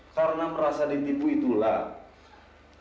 karena perasa ditipu itulah